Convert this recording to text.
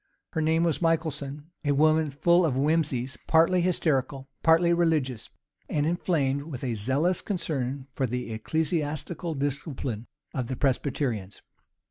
Her name Michelson, a woman full of whimseys partly hysterical, partly religious; and inflamed with a zealous concern for the ecclesiastical discipline of the Presbyterians.